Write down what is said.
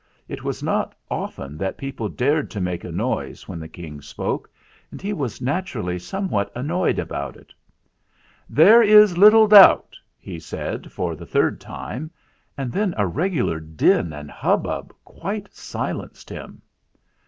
It was not often that people dared to make a noise when the King spoke, and he was naturally somewhat annoyed about it. "There is little doubt " he said for the third time; and then a regular din and hub bub quite silenced him.